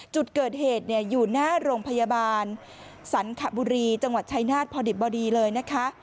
จุดเกิดเหตุอยู่หน้าโรงพยาบาลสันขบุรีจังหวัดชายนาฏพอดิบพอดีเลยนะคะ